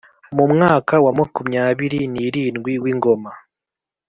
Mu mwaka wa makumyabiri n irindwi w ingoma